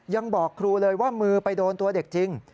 ยังบอกครูเลยว่ามือไปโดนตัวเด็กจริง